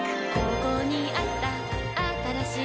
ここにあったあったらしい